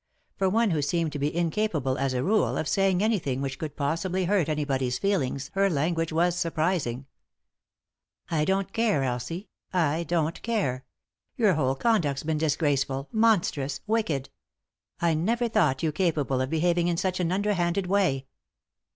For one who seemed to be incap able, as a rule, of saying anything which could possibly hurt anybody's feelings her language was surprising. "I don't care, Elsie, I don't care I Your whole conduct's been disgraceful, monstrous, wicked 1 I never thought you capable of behaving in such an under handed way."